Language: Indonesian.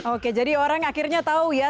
oke jadi orang akhirnya tahu ya